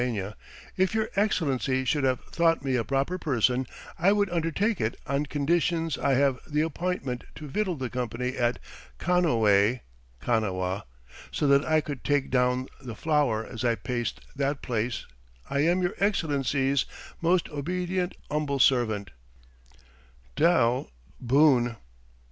] if your Exclency should have thought me a proper purson I would undertake it on conditions I have the apintment to vitel the company at Kanhowway [Kanawha] so that I Could take Down the flowre as I paste that place I am your Excelenceys most obedent omble servant "DAL BOONE."